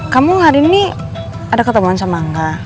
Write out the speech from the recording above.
kamu hari ini ada ketemuan sama angga